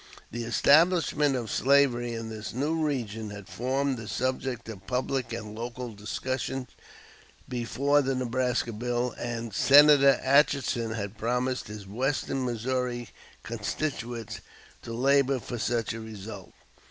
The establishment of slavery in this new region had formed the subject of public and local discussion before the Nebraska bill, and Senator Atchison had promised his western Missouri constituents to labor for such a result.